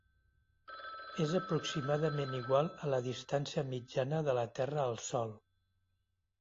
És aproximadament igual a la distància mitjana de la Terra al Sol.